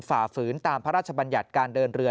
ฝ่าฝืนตามพระราชบัญญัติการเดินเรือ